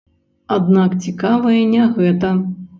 Аднак цікавае не гэта.